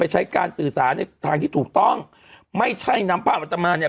ใช้การสื่อสารในทางที่ถูกต้องไม่ใช่นำภาพอัตมาเนี่ย